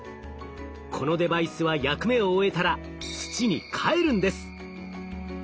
このデバイスは役目を終えたら土にかえるんです！